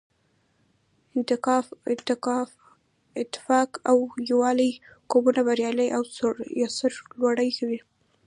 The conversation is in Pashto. اتفاق او یووالی قومونه بریالي او سرلوړي کوي.